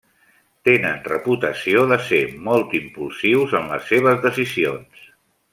Tenen reputació de ser molt impulsius en les seves decisions.